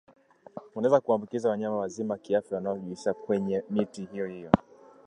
unaweza kuwaambukiza wanyama wazima kiafya wanaojisugulia kwenye miti iyo hiyo